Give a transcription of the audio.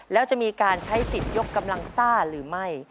แล้วจะมีการใช้สิทธิ์ยกกำลังซ่าหรือไม่